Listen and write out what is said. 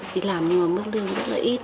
thì làm mấy người mức lương rất là ít